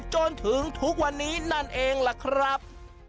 จนถึงทุกวันนี้นั่นเองล่ะครับ